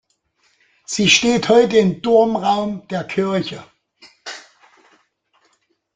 Sie steht heute im Turmraum der Kirche.